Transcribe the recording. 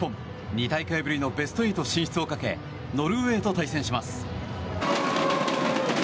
２大会ぶりのベスト８進出をかけノルウェーと対戦します。